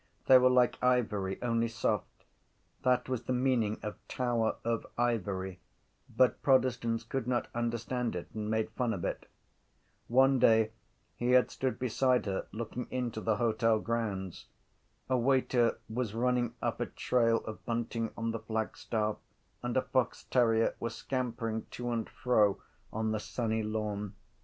They were like ivory; only soft. That was the meaning of Tower of Ivory but protestants could not understand it and made fun of it. One day he had stood beside her looking into the hotel grounds. A waiter was running up a trail of bunting on the flagstaff and a fox terrier was scampering to and fro on the sunny lawn.